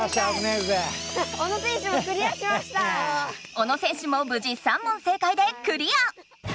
小野選手もぶじ３問正解でクリア！